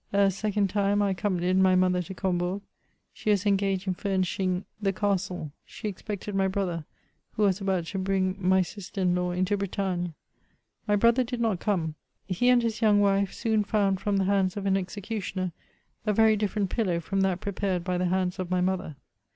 A second time I accompanied my mother 'to Comboui^ : she was engaged in ftimishuig the castle ; she expected my brother, who was about to bring my sister in law into Bretagne. My brother did not come ; he and his young wife soon found from the hands of an execu tioner a Tery di£ferent pillow from that prepared by the hands of my mother.